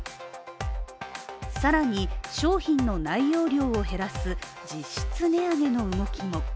更に、商品の内容量を減らす実質値上げの動きも。